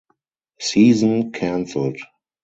Season canceled.